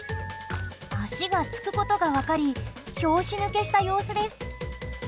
足がつくことが分かり拍子抜けした様子です。